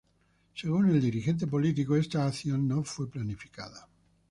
Según el dirigente político esta acción no fue planificada.